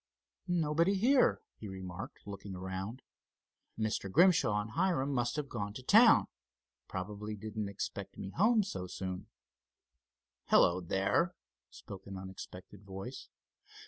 "Nobody here?" he remarked, looking around. "Mr. Grimshaw and Hiram must have gone to town. Probably didn't expect me home so soon." "Hello, there!" spoke an unexpected voice.